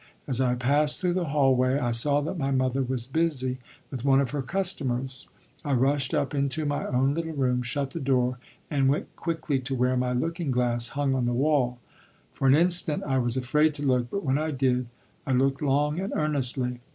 As I passed through the hallway, I saw that my mother was busy with one of her customers; I rushed up into my own little room, shut the door, and went quickly to where my looking glass hung on the wall. For an instant I was afraid to look, but when I did, I looked long and earnestly.